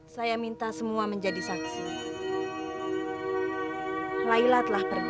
saya minta semua menjadi saksi layla telah pergi